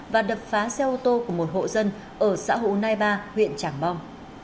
và đập phá xe ô tô của một hộ dân ở xã hồ nai ba huyện trảng bom